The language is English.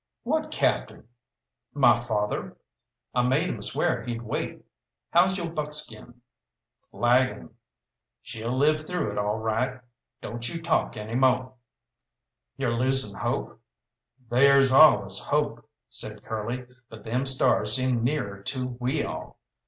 "What captain?" "My father. I made him swear he'd wait. How's yo' buckskin?" "Flagging." "She'll live through all right. Don't you talk any mo'." "You're losing hope?" "There's allus hope," said Curly, "but them stars seem nearer to we all."